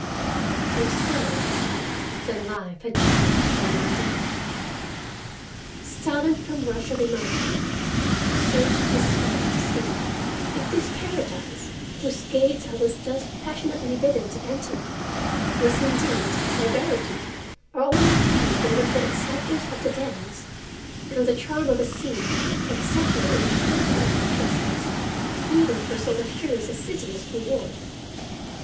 If so, then life had changed for me indeed. Silent from rush of emotion, I searched his face to see if this Paradise, whose gates I was thus passionately bidden to enter, was indeed a verity or only a dream born of the excitement of the dance and the charm of a scene exceptional in its splendor and picturesqueness even for so luxurious a city as New York.